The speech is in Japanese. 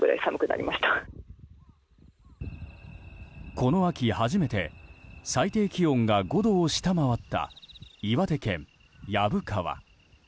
この秋、初めて最低気温が５度を下回った岩手県薮川。